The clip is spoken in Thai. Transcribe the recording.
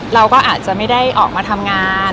เราก็อาจจะไม่ได้ออกมาทำงาน